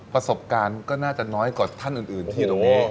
ประสบการณ์ก็น่าจะน้อยกว่าท่านอื่นที่ตรงนี้